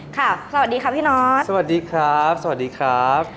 สวัสดีค่ะพี่นอทสวัสดีครับสวัสดีครับ